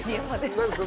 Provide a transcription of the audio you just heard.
何ですか？